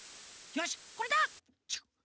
よしこれだ！